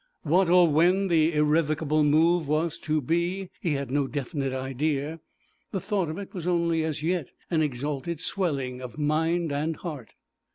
What or when the irrevocable move was to be he had no definite idea, the thought of it was only as yet an exalted swelling of mind and heart.